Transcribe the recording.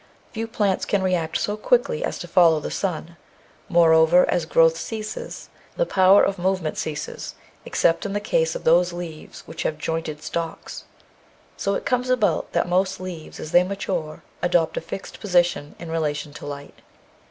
Few plants can react so quickly as to follow the sun; moreover, as growth ceases, the power of move ment ceases, except in the case of those leaves which have jointed stalks. So it comes about that most leaves, as they mature, adopt a fixed position in relation to light.